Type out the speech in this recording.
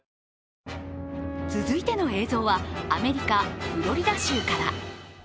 続いての映像は、アメリカ・フロリダ州から。